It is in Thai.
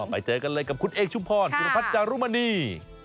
ไปเจอกันเลยกับคุณเอกชุมพรสุรพัฒน์จารุมณี